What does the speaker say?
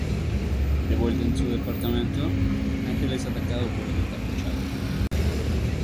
De vuelta en su departamento, Angel es atacado por el encapuchado.